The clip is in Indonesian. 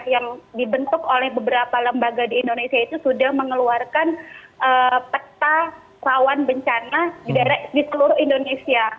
yang dibentuk oleh beberapa lembaga di indonesia itu sudah mengeluarkan peta rawan bencana di seluruh indonesia